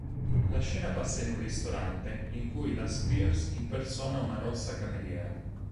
La scena passa in un ristorante, in cui la Spears impersona una rossa cameriera.